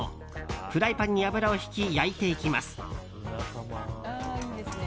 フライパンに油をひき焼いていきます。